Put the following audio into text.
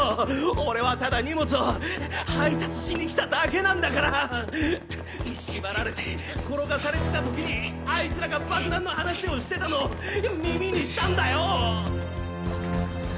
俺はただ荷物を配達しに来ただけなんだから。縛られて転がされてた時にあいつらが爆弾の話をしてたのを耳にしたんだよ。